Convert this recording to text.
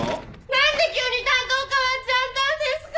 何で急に担当代わっちゃったんですか！？